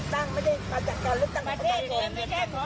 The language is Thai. ถ้ายังไม่อยู่เลยเดินก็จะไม่ไหวแล้ว